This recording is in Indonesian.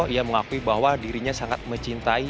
ia mengakui bahwa dirinya sangat mencintai